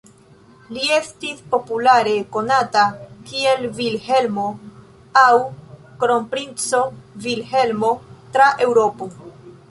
Li estis populare konata kiel Vilhelmo aŭ Kronprinco Vilhelmo tra Eŭropo.